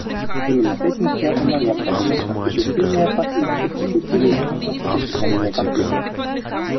Именно с этим связана необходимость осуществления посреднических усилий после возникновения конфликтов.